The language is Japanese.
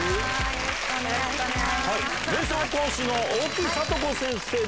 よろしくお願いします。